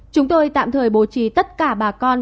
chúng tôi tạm thời bố trí tất cả bà con